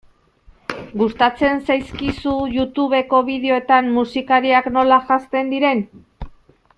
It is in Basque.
Gustatzen zaizkizu Youtubeko bideoetan musikariak nola janzten diren?